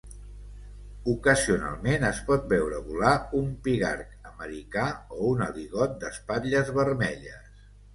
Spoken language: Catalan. Ocasionalment es pot veure volar un pigarg americà o un aligot d'espatlles vermelles.